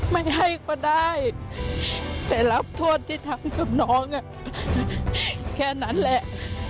ไม่ให้ก็ได้แต่รับโทษที่ทำกับน้องแค่นั้นแหละ